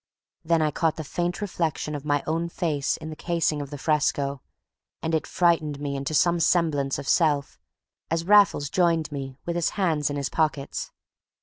Then I caught the faint reflection of my own face in the casing of the fresco, and it frightened me into some semblance of myself as Raffles joined me with his hands in his pockets.